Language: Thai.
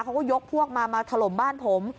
เขาก็ยกพวกมามาถล่มบ้านผม